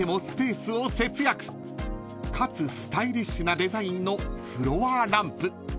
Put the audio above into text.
［かつスタイリッシュなデザインのフロアランプ］